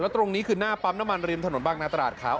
ตรงนี้คือหน้าปั๊มน้ำมันริมถนนบางนาตราดขาว